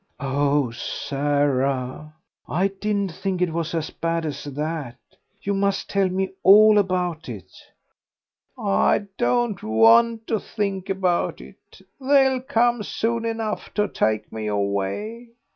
"Oh, Sarah, I didn't think it was as bad as that. You must tell me all about it." "I don't want to think about it. They'll come soon enough to take me away.